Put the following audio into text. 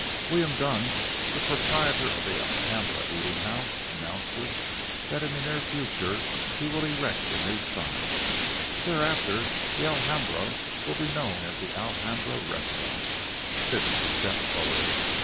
William Dunn, the proprietor of the Alhambra eating house, announces that in the near future he will erect a new sign. Thereafter the Alhambra will be known as the Alhambra Restaurant. This is a step forward.